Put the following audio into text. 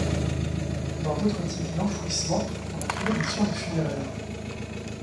Dans d'autres type d'enfouissements, on a trouvé des urnes funéraires.